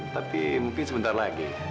tapi mungkin sebentar lagi